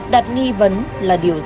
đặt nghi vấn là điều dễ hiểu